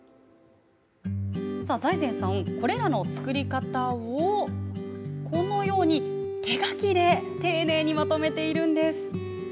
財前さん、これらの作り方を手書きで丁寧にまとめているんです。